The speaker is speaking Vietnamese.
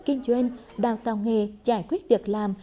kinh doanh đào tạo nghề giải quyết việc làm